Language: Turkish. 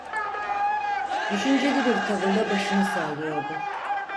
Düşünceli bir tavırla başını sallıyordu...